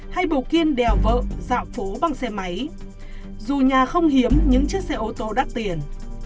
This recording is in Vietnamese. hay bầu kiên đèo vợ dạo phố bằng xe máy dù nhà không hiếm những chiếc xe ô tô đắt tiền